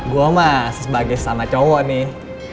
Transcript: gue mah sebagai sesama cowok nih